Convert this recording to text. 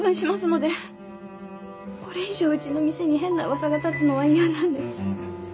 これ以上うちの店に変な噂が立つのは嫌なんです。